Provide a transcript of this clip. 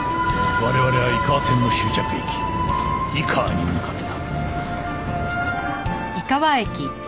我々は井川線の終着駅井川に向かった